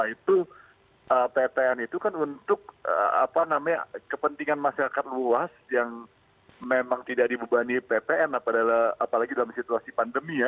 itu ppn itu kan untuk kepentingan masyarakat luas yang memang tidak dibebani ppn apalagi dalam situasi pandemi ya